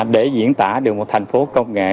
để diễn tả được một thành phố công nghệ